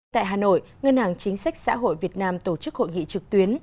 tại hà nội ngân hàng chính sách xã hội việt nam tổ chức hội nghị trực tuyến